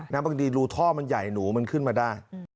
บางทีรูท่อมันใหญ่หนูมันขึ้นมาได้